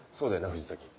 藤崎。